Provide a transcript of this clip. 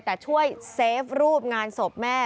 แต่ช่วยเซฟรูปงานศพแม่